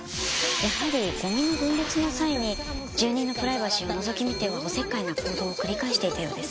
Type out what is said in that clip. やはりゴミの分別の際に住人のプライバシーをのぞき見てはお節介な行動を繰り返していたようです。